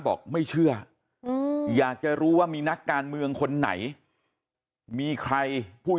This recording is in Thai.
บอกไม่เชื่ออยากจะรู้ว่ามีนักการเมืองคนไหนมีใครพูด